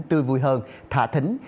tươi vui hơn thả thính